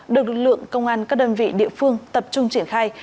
được lực lượng công an các đơn vị địa phương tập trung triển khai